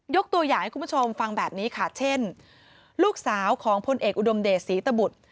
ตัวอย่างให้คุณผู้ชมฟังแบบนี้ค่ะเช่นลูกสาวของพลเอกอุดมเดชศรีตบุตร